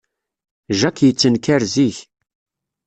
Jack yettenkar zik.